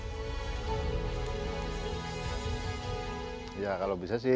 darmin juga berharap kegiatan favorit